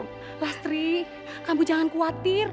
nastri kamu jangan khawatir